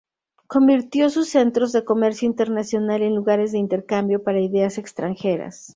Convirtió sus centros de comercio internacional en lugares de intercambio para ideas extranjeras.